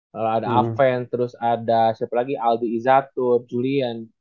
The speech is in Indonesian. lalu ada aven terus ada siapa lagi aldi izatur julian